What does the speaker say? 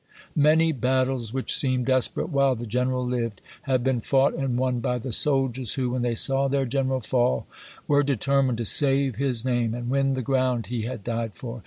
"Many battles which seemed desperate while the General lived have been fought and won by the soldiers who, when they saw their General fall, were determined to save his name and win the ground he had died for.